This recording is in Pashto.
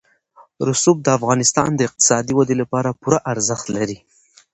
رسوب د افغانستان د اقتصادي ودې لپاره پوره ارزښت لري.